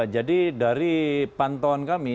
jadi dari pantauan kami